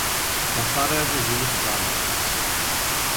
Fasáda je ze žuly Star White.